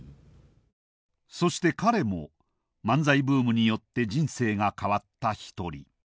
そして彼も漫才ブームによって人生が変わった一人。